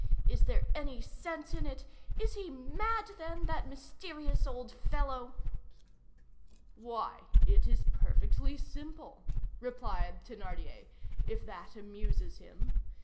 Is there any sense in it? Is he mad, then, that mysterious old fellow?" "Why! it is perfectly simple," replied Thénardier, "if that amuses him!